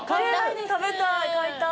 食べたい買いたい。